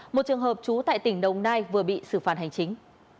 một trường hợp trú tại tỉnh đồng nai vừa bị xử phạt hành chính